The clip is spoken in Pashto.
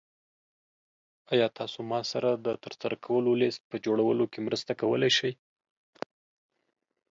ایا تاسو ما سره د ترسره کولو لیست په جوړولو کې مرسته کولی شئ؟